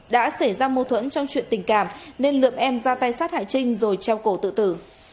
đã xảy ra mâu thuẫn trong chuyện tình cảm nên lượm em ra tay sát hại trinh rồi treo cổ tự tử